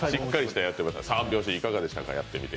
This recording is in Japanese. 三拍子、いかがでした？